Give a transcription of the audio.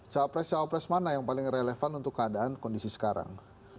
capres capres mana yang paling relevan untuk keadaan kondisi sekarang